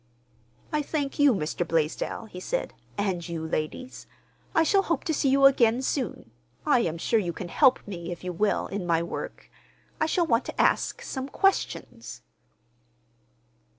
"I thank you, Mr. Blaisdell," he said, "and you, ladies. I shall hope to see you again soon. I am sure you can help me, if you will, in my work. I shall want to ask—some questions."